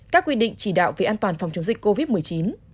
các quy định chỉ đạo về an toàn phòng chống dịch covid một mươi chín